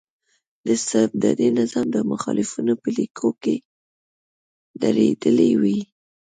د استبدادي نظام د مخالفینو په لیکو کې درېدلی وای.